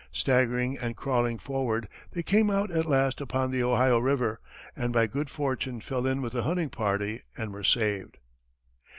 Staggering and crawling forward, they came out at last upon the Ohio river, and by good fortune fell in with a hunting party and were saved.